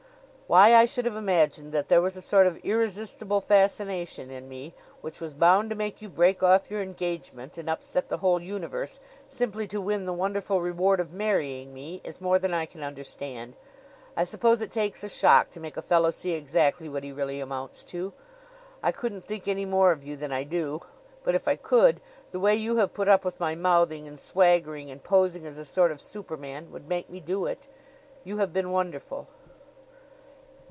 "Why I should have imagined that there was a sort of irresistible fascination in me, which was bound to make you break off your engagement and upset the whole universe simply to win the wonderful reward of marrying me, is more than I can understand. I suppose it takes a shock to make a fellow see exactly what he really amounts to. I couldn't think any more of you than I do; but, if I could, the way you have put up with my mouthing and swaggering and posing as a sort of superman, would make me do it. You have been wonderful!"